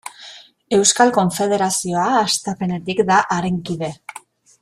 Euskal Konfederazioa hastapenetik da haren kide.